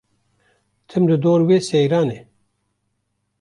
Tim li dor wê seyran e.